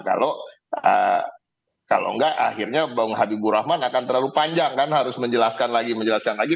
kalau tidak akhirnya bung habib burahma akan terlalu panjang kan harus menjelaskan lagi menjelaskan lagi